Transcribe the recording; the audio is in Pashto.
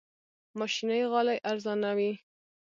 ماشيني غالۍ ارزانه وي.